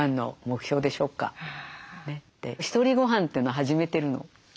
「ひとりごはん」というのを始めてるの。